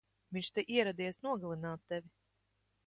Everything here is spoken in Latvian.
Viņš te ieradies nogalināt tevi!